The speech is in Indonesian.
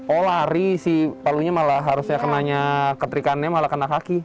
oh lari si palunya malah harusnya kenanya ketrikannya malah kena kaki